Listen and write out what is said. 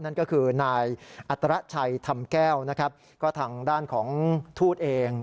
นั่นก็คือนายอัตราชัยธรรมแก้วนะครับก็ทางด้านของทูตเอง